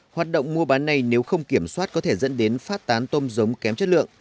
hoạt động mua bán này nếu không kiểm soát có thể dẫn đến phát tán tôm giống kém chất lượng